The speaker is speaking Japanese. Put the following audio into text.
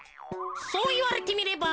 そういわれてみれば。